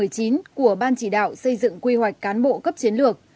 của ban chỉ đạo xây dựng quy hoạch cán bộ cấp chiến lược